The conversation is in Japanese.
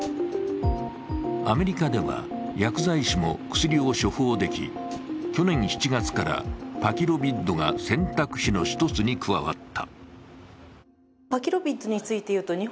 アメリカでは、薬剤師も薬を処方でき、去年７月からパキロビッドが選択肢の一つに加わった。